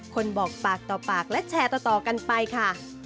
คนบอกปากต่อปากและแชร์ต่อกันไปค่ะ